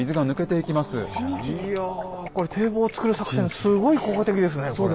いやこれ堤防を造る作戦すごい効果的ですねこれ。